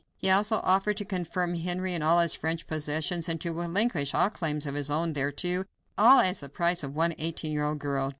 He also offered to confirm Henry in all his French possessions, and to relinquish all claims of his own thereto all as the price of one eighteen year old girl.